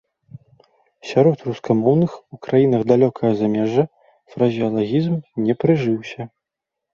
Сярод рускамоўных у краінах далёкага замежжа фразеалагізм не прыжыўся.